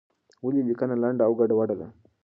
ولې لیکنه لنډه او ګډوډه ده؟